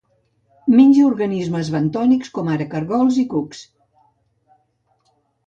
Menja organismes bentònics, com ara caragols i cucs.